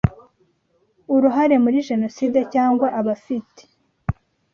uruhare muri Jenoside cyangwa abafite